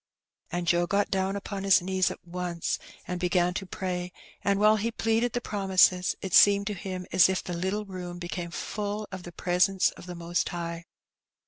And Joe got down upon his knees at once and began to pray, and while he pleaded the promises, it seemed to him as if the little room became full of the presence of the Most High.